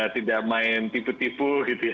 tidak main tipu tipu gitu ya